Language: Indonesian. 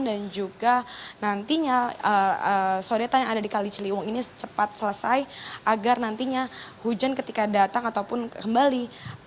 dan juga nantinya sodetan yang ada di kali ciliwung ini cepat selesai agar nantinya hujan ketika datang ataupun kembali